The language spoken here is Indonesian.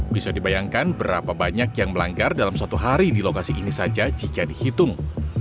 bisa dibayangkan berapa banyak yang melanggar dalam satu hari di lokasi ini saja jika dihitung